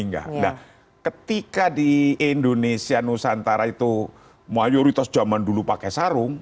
nah ketika di indonesia nusantara itu mayoritas zaman dulu pakai sarung